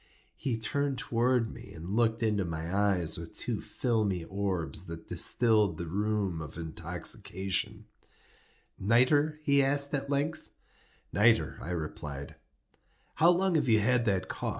He turned towards me, and looked into my eyes with two filmy orbs that distilled the rheum of intoxication. "Nitre?" he asked, at length. "Nitre," I replied. "How long have you had that cough?" "Ugh! ugh! ugh!—ugh! ugh! ugh!—ugh!